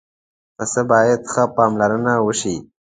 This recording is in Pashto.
پسه باید ښه پاملرنه وشي.